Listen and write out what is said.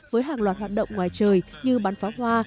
với hàng loạt hoạt động ngoài trời như bán phá hoa